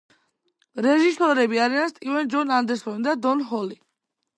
რეჟისორები არიან სტივენ ჯონ ანდერსონი და დონ ჰოლი.